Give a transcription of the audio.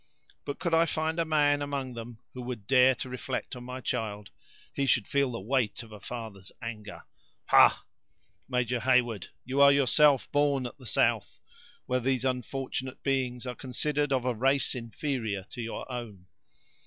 But could I find a man among them who would dare to reflect on my child, he should feel the weight of a father's anger! Ha! Major Heyward, you are yourself born at the south, where these unfortunate beings are considered of a race inferior to your own."